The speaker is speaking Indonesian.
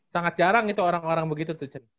sangat jarang itu orang orang begitu tuh cerita